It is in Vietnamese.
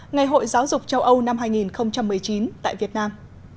ngày hội giáo dục châu âu năm hai nghìn một mươi chín tại việt nam